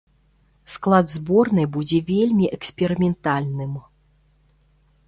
Склад зборнай будзе вельмі эксперыментальным.